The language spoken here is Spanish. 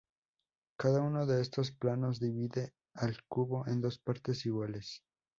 Cada uno de estos planos divide al cubo en dos partes iguales.